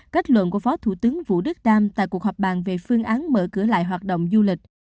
kết luận của phó thủ tướng vũ đức đam tại cuộc họp bàn về phương án mở cửa lại hoạt động du lịch